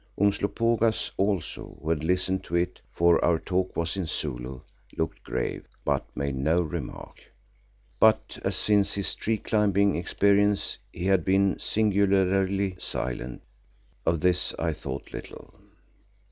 Umslopogaas also, who had listened to it, for our talk was in Zulu, looked grave, but made no remark. But as since his tree climbing experience he had been singularly silent, of this I thought little.